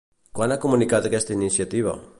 Quan ha comunicat aquesta iniciativa?